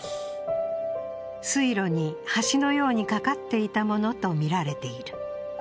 水路に橋のようにかかっていたものとみられている。